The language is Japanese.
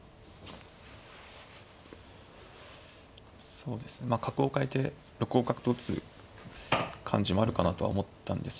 そうですねまあ角を換えて６五角と打つ感じもあるかなとは思ったんですけど。